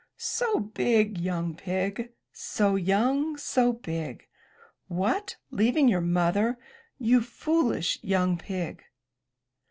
'* ''So big, young pig, So young, so big! What! leaving your Mother, you foolish young pig!"